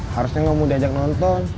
harusnya nggak mau diajak nonton